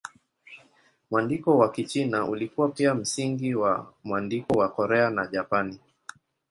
Mwandiko wa Kichina ulikuwa pia msingi wa mwandiko wa Korea na Japani.